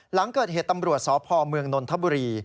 หลังเกิดเหตุตำรวจสพเมืองนนทบุรี